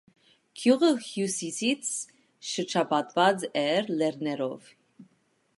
Գյուղը հյուսիսից շրջապատված էր լեռներով։